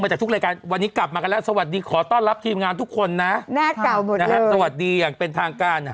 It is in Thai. จากทุกรายการวันนี้กลับมากันแล้วสวัสดีขอต้อนรับทีมงานทุกคนนะหน้าเก่าหมดเลยนะฮะสวัสดีอย่างเป็นทางการอ่ะ